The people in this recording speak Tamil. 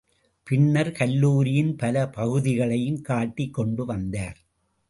பின்னர் கல்லூரியின் பல பகுதிகளையும் காட்டிக் கொண்டு வந்தார்.